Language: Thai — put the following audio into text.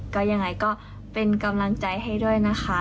ก็ยังไงก็เป็นกำลังใจให้ด้วยนะคะ